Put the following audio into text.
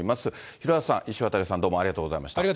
廣畑さん、石渡さん、ありがとうございました。